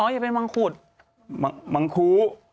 อยากเป็นมังคุต